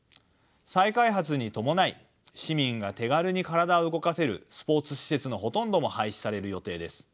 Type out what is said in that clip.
再開発に伴い市民が手軽に体を動かせるスポーツ施設のほとんども廃止される予定です。